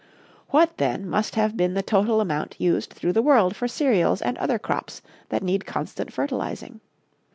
What, then, must have been the total amount used through the world for cereals and other crops that need constant fertilizing?